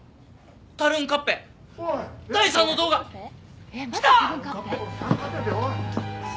タルンカッペ第三の動画きたっ！